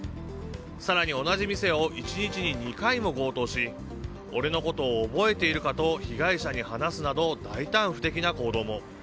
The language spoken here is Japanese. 更に同じ店を１日に２回も強盗し俺のことを覚えているかと被害者に話すなど大胆不敵な行動も。